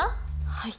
はい。